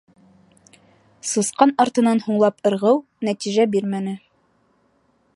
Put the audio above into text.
Сысҡан артынан һуңлап ырғыу нәтижә бирмәне.